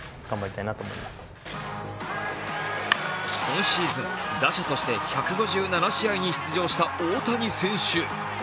今シーズン、打者として１５７試合に出場した大谷選手。